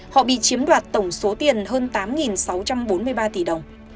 họ bị chiếm đoạt tổng số tiền hơn tám sáu trăm bốn mươi ba tỷ đồng